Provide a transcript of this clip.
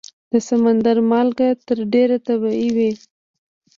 د سمندر مالګه تر ډېره طبیعي وي.